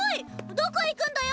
どこ行くんだよ！